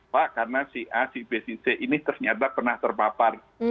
pak karena si a si b si c ini ternyata pernah terpapar